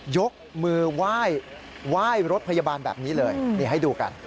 ยกมือไหว้รถพยาบาลแบบนี้เลยนี่ให้ดูกัน